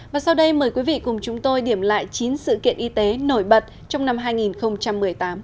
và sau đây mời quý vị cùng chúng tôi điểm lại chín sự kiện y tế nổi bật trong năm hai nghìn một mươi tám